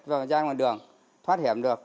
và ra ngoài đường thoát hiểm được